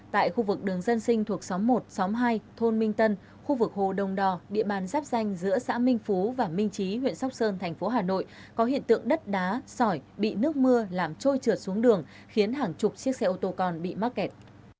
tại khu vực đường dân sinh thuộc xóm một xóm hai thôn minh tân khu vực hồ đông đò địa bàn giáp danh giữa xã minh phú và minh trí huyện sóc sơn thành phố hà nội có hiện tượng đất đá sỏi bị nước mưa làm trôi trượt xuống đường khiến hàng chục chiếc xe ô tô con bị mắc kẹt